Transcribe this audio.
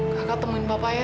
kakak temuin papa ya